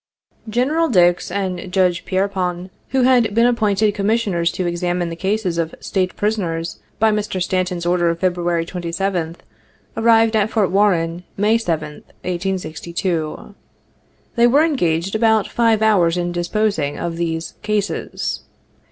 Genl. Dix and Judge Pierrepont, who had been appointed Commissioners to examine the cases of "State Prisoners" by Mr. Stanton's order of February 27th, arrived at Fort Warren, May 7th, 1862. They were engaged about five hours in disposing of these "cases."